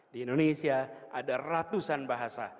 di indonesia ada ratusan bahasa